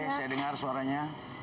oke saya dengar suaranya